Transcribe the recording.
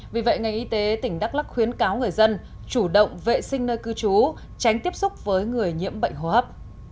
vì vậy ngành y tế tỉnh đắk lắc khuyến cáo người dân chủ động vệ sinh nơi cư trú tránh tiếp xúc với người nhiễm bệnh hô hấp